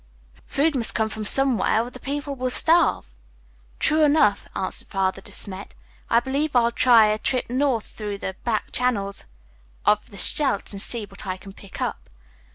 "Food must come from somewhere or the people will starve." "True enough," answered Father De Smet. "I believe I'll try a trip north through the back channels of the Scheldt and see what I can pick up."